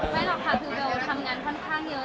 หรอกค่ะคือเบลทำงานค่อนข้างเยอะ